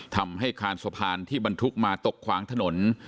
ทำให้คานสะพานที่บรรทุกมาตกขวางถนน